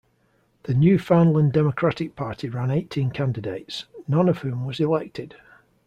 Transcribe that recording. The Newfoundland Democratic Party ran eighteen candidates, none of whom was elected.